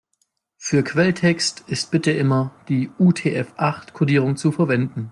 Für Quelltext ist bitte immer die UTF-acht-Kodierung zu verwenden.